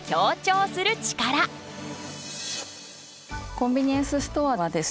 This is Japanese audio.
コンビニエンスストアはですね